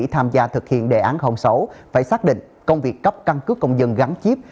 tham gia thực hiện đề án sáu phải xác định công việc cấp căn cứ công dân gắn chip